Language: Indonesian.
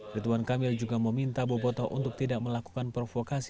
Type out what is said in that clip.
rituan kamil juga meminta boboto untuk tidak melakukan provokasi